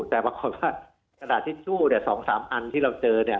แต่ปรากฏว่ากระดาษทิชชู่๒๓อันที่เราเจอเนี่ย